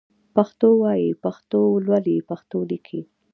پښتو وايئ ، پښتو لولئ ، پښتو ليکئ